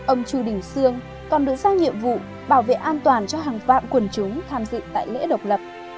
ông chu đình sương còn được giao nhiệm vụ bảo vệ an toàn cho hàng vạn quần chúng tham dự tại lễ độc lập